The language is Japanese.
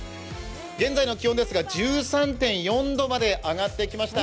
現在の気温ですが１３．４度まで上がってきました。